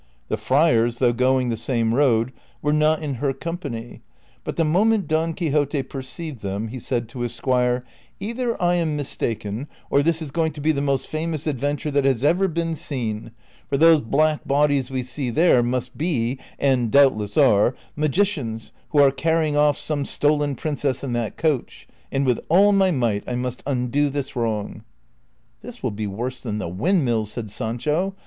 The friars, though going the same road, were not in her company ; but the moment Don Quixote perceived them he said to his squire, '' Either I am mis taken, or this is going to be the most famous adventure that has ever been seen, for those black bodies we see there must be, and doubtless are, magicians who are carrying off some stolen princess in that coach, and with all my might I must undo this wrong." " This will be worse than the windmills," said Sancho.